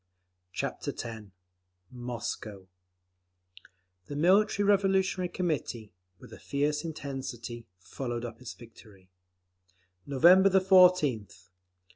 Chapter X Moscow The Military Revolutionary Committee, with a fierce intensity, followed up its victory: November 14th.